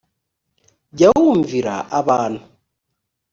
jya wumvira abantu